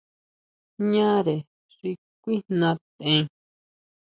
Ñare xi kuijná tʼen.